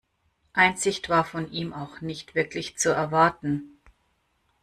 Einsicht war von ihm auch nicht wirklich zu erwarten.